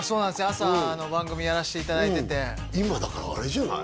朝の番組やらせていただいてて今だからあれじゃない？